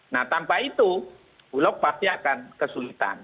nah tanpa itu bulog pasti akan kesulitan